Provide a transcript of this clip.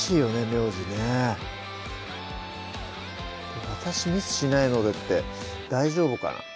名字ね「私ミスしないので」って大丈夫かな？